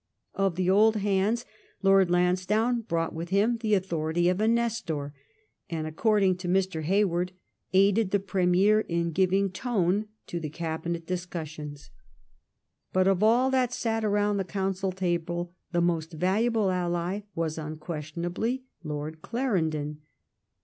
Of the old hands, Lord Lansdowne brought with him the authority of a Nestor, and, according to Mr. Hayward, aided the Premier in giving tone to the Cabinet discussions. But of all that sat round the <)ouncil table, the most valuable ally was unquestionably Lord Clarendon.